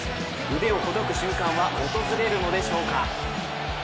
腕をほどく瞬間は訪れるのでしょうか。